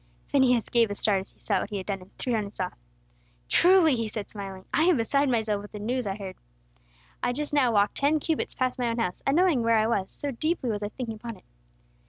Phineas gave a start as he saw what he had done, and threw down his saw. "Truly," he said, smiling, "I am beside myself with the news I have heard. I just now walked ten cubits past my own house, unknowing where I was, so deeply was I thinking upon it.